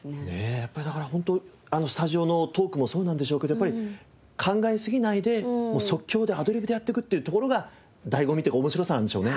やっぱりだからホントあのスタジオのトークもそうなんでしょうけどやっぱり考えすぎないで即興でアドリブでやっていくってところが醍醐味というか面白さなんでしょうね。